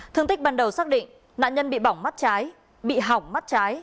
thương tích ban đầu xác định nạn nhân bị bỏng mắt trái bị hỏng mắt trái